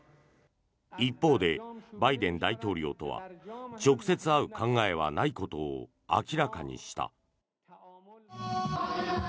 一方で、バイデン大統領とは直接会う考えはないことを明らかにした。